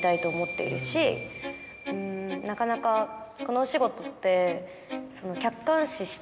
うんなかなかこのお仕事って。